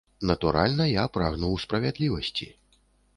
Натуральна, я прагнуў справядлівасці.